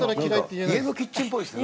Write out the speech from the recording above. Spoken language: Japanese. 家のキッチンっぽいですね。